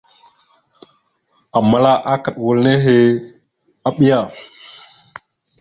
Aməla akaɗ wal nehe, aɓiya.